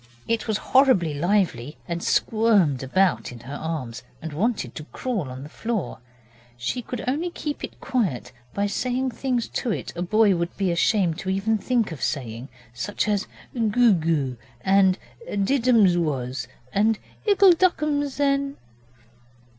It was horribly lively, and squirmed about in her arms, and wanted to crawl on the floor. She could only keep it quiet by saying things to it a boy would be ashamed even to think of saying, such as 'Goo goo', and 'Did ums was', and 'Ickle ducksums, then'.